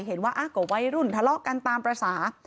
เห็นว่าก็วัยรุ่นทะเลาะกันตามภาษา